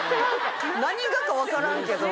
何がか分からんけど・